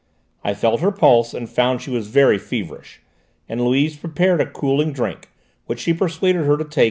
I felt her pulse and found she was very feverish, and Louise prepared a cooling drink, which she persuaded her to take.